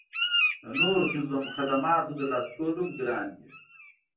د نورو خدماتو ترلاسه کول هم ګران وي